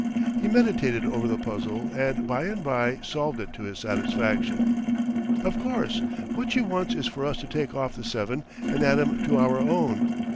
He meditated over the puzzle and by and by solved it to his satisfaction. "Of course, what she wants is for us to take off the seven and add 'em to our own."